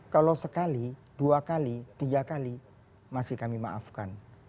kalau sekali dua kali tiga kali masih kami maafkan